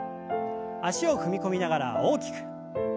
脚を踏み込みながら大きく。